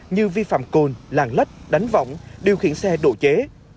như vi phạm côn làng lách đánh vọng điều khiển xe độ chế